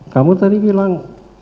kamu tadi bilang